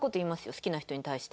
好きな人に対して。